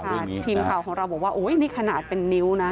ทีมข่าวของเราบอกว่าโอ้ยนี่ขนาดเป็นนิ้วนะ